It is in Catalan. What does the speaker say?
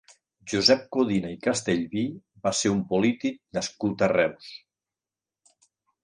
Josep Codina i Castellví va ser un polític nascut a Reus.